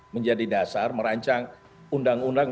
menjadi dasar merancang undang undang